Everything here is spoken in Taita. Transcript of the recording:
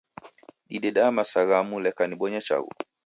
Dideda masaa ghamu leka nibonye chaghu